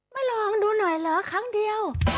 ไม่ลองดูหน่อยเหรอครั้งเดียว